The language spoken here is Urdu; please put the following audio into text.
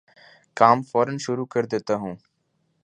کام فورا شروع کردیتا ہوں